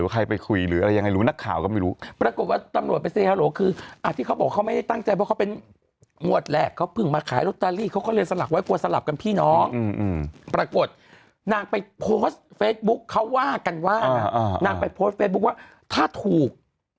กูอย่างน้าไปโพสต์เฟซบุ๊คเขาว่ากันว้างอ่ะมาไปโพสต์เฟซบุ๊คว่าถ้าถูก